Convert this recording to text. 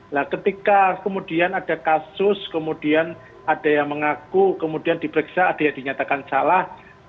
nah ketika kemudian ada kasus kemudian ada yang mengaku kemudian diperiksa ada yang dinyatakan salah